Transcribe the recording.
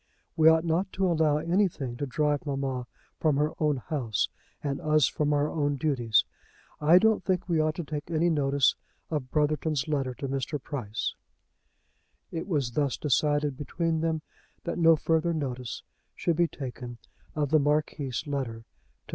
We ought not to allow anything to drive mamma from her own house, and us from our own duties. I don't think we ought to take any notice of Brotherton's letter to Mr. Price." It was thus decided between them that no further notice should be taken of the Marquis's letter to Mr. Price.